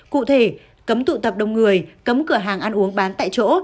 cụ thể cấm tụ tập đông người cấm cửa hàng ăn uống bán tại chỗ